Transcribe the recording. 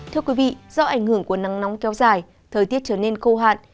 thưa quý vị do ảnh hưởng của nắng nóng kéo dài thời tiết trở nên khô hạn